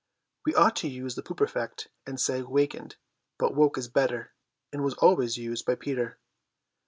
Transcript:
We ought to use the pluperfect and say wakened, but woke is better and was always used by Peter.